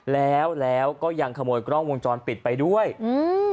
แล้วแล้วก็ยังขโมยกล้องวงจรปิดไปด้วยอืม